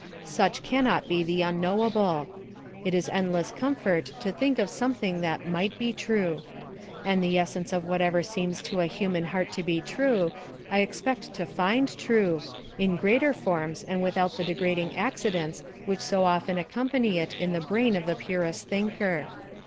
Such cannot be the unknowable. It is endless comfort to think of something that might be true. And the essence of whatever seems to a human heart to be true, I expect to find true in greater forms, and without the degrading accidents which so often accompany it in the brain of the purest thinker.